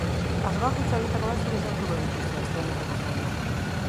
Asmakuntza horietako batzuk ezagutuko dituzte aste honetako saioan.